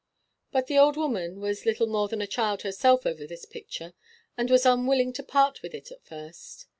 But the old woman was little more than a child herself over this picture, and was unwilling to part with it at first.